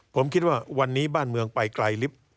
ผมคิดว่าวันนี้บ้านเมืองไปไกลลิฟต์